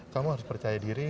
kamu harus percaya diri